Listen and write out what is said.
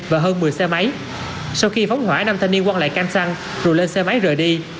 và hơn một mươi xe máy sau khi phóng hỏa nam thanh niên quăng lại cam xăng rồi lên xe máy rời đi